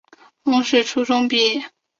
罗烽是初中毕业。